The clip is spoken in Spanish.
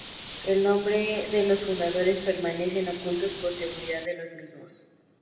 El nombre de los fundadores permanecen ocultos por seguridad de los mismos.